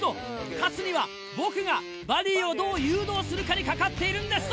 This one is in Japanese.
「勝つには僕がバディをどう誘導するかにかかっているんです」と。